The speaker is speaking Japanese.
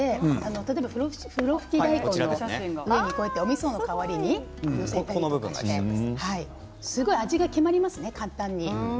例えばふろふき大根の上におみその代わりに載せたりすごく味が簡単に決まります。